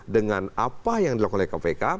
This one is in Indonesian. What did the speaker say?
dengan apa yang dilakukan oleh kpk